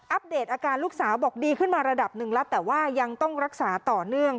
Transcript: เดตอาการลูกสาวบอกดีขึ้นมาระดับหนึ่งแล้วแต่ว่ายังต้องรักษาต่อเนื่อง